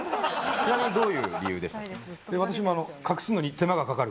ちなみに、どういう理由ですか。